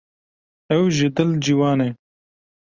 Ew ji dil ciwan e.